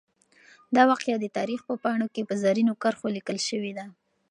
دا واقعه د تاریخ په پاڼو کې په زرینو کرښو لیکل شوې ده.